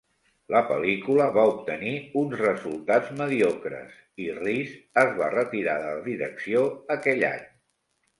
La pel·lícula va obtenir uns resultats mediocres i Rees es va retirar de la direcció aquell any.